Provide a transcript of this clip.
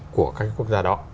của các quốc gia đó